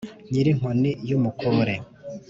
nyiri inkoni yu mukore,